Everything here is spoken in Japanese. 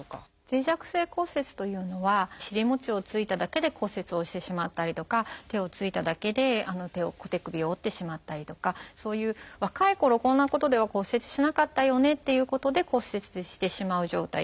脆弱性骨折というのは尻もちをついただけで骨折をしてしまったりとか手をついただけで手首を折ってしまったりとかそういう若いころこんなことでは骨折しなかったよねっていうことで骨折してしまう状態